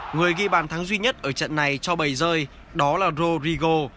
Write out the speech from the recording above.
người ghi bàn thắng duy nhất ở trận này cho bảy rơi đó là rodrigo